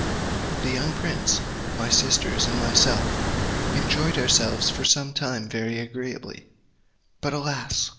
The young prince, my sisters and myself, enjoyed ourselves for some time very agreeably. But alas!